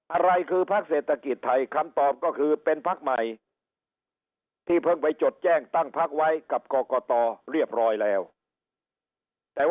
อะไรคือพักเศรษฐกิจไทยคำตอบก็คือเป็นพักใหม่ที่เพิ่งไปจดแจ้งตั้งพักไว้กับกรกตเรียบร้อยแล้วแต่ว่า